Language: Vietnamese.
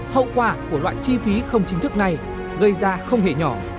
hậu quả của loại chi phí không chính thức này gây ra không hề nhỏ